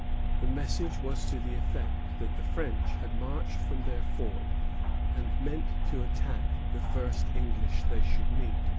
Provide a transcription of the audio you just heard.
The message was to the effect that the French had marched from their fort, and meant to attack the first English they should meet.